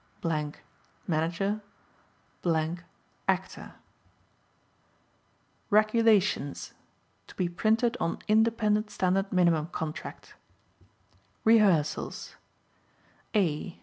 MANAGER ACTOR REGULATIONS (To be printed on Independent Standard Minimum Contract) Rehearsals A.